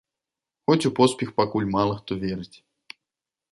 Хоць у поспех пакуль мала хто верыць.